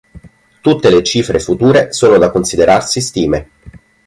Tutte le cifre future sono da considerarsi stime.